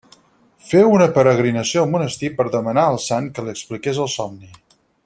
Féu una peregrinació al monestir per demanar al sant que li expliqués el somni.